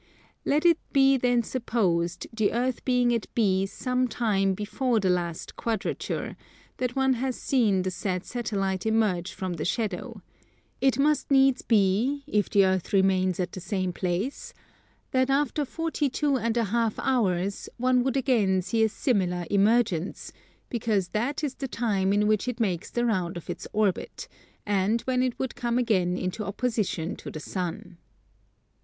Let it be then supposed, the Earth being at B some time before the last quadrature, that one has seen the said Satellite emerge from the shadow; it must needs be, if the Earth remains at the same place, that, after 42 1/2 hours, one would again see a similar emergence, because that is the time in which it makes the round of its orbit, and when it would come again into opposition to the Sun.